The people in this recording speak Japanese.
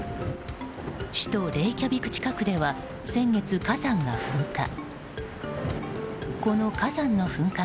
首都レイキャビク近くでは先月、火山が噴火。